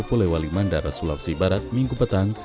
poliwali mandar sulawesi barat minggu petang